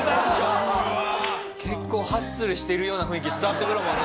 結構ハッスルしてるような雰囲気伝わってくるもんね写真。